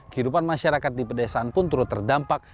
kehidupan masyarakat di pedesaan pun turut terdampak